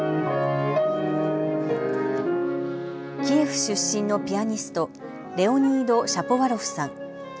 キエフ出身のピアニスト、レオニード・シャポワロフさん。